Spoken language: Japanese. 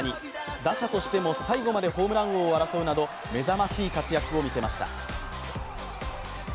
打者としても最後までホームラン王を争うなど目覚ましい活躍を見せました。